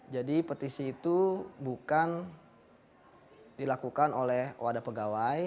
jadi petisi itu bukan dilakukan oleh wadah pegawai